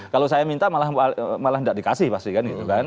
kalau saya minta malah tidak dikasih pasti kan gitu kan